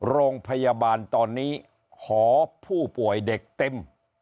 โรงพยาบาลตอนนี้หอผู้ป่วยเด็กเต็ม